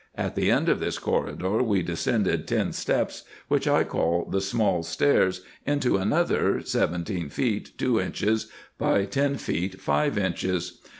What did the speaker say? At the end of this corridor we descended ten steps, which I call the small stairs, into another, seventeen feet two inches by ten feet five inches.